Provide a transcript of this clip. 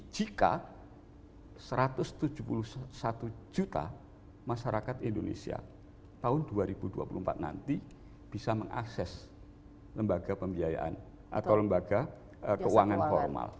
jika satu ratus tujuh puluh satu juta masyarakat indonesia tahun dua ribu dua puluh empat nanti bisa mengakses lembaga pembiayaan atau lembaga keuangan formal